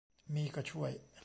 มีก็ช่วย